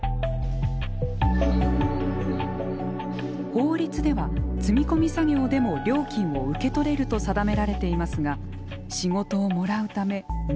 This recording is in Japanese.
法律では積み込み作業でも料金を受け取れると定められていますが仕事をもらうため無償で行っています。